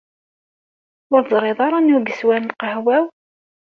Ur teẓriḍ ara anwa yeswan lqahwa-w?